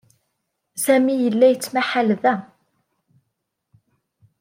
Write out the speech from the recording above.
Sami yella yettmahal da.